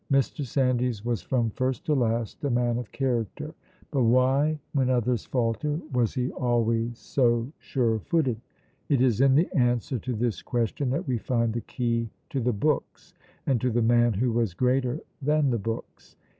Mr. Sandys was from first to last a man of character, but why when others falter was he always so sure footed? It is in the answer to this question that we find the key to the books, and to the man who was greater than the books.